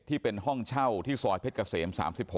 ที่เป็นห้องเช่าที่ซอยเพชรเกษม๓๖